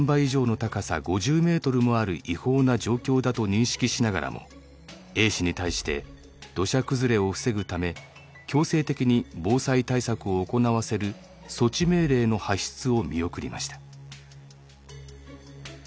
高さ５０メートルもある違法な状況だと認識しながらもＡ氏に対して土砂崩れを防ぐため強制的に防災対策を行わせる措置命令の発出を見送りました。